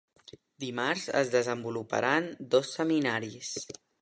Dimarts es desenvoluparan dos seminaris.